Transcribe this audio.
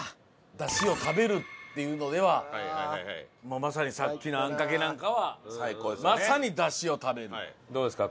出汁を食べるっていうのではもうまさにさっきのあんかけなんかはまさに出汁を食べる。